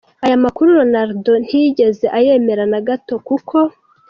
Aya makuru Ronaldo ntiyigeze ayemera na gato, kuko.